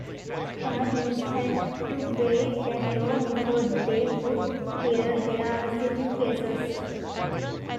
Parties had to wait that long before they could hear their civil cases.